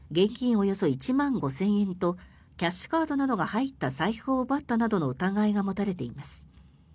およそ１万５０００円とキャッシュカードなどが入った財布を奪ったなどの疑いが持たれています。